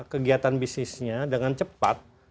kegiatan bisnisnya dengan cepat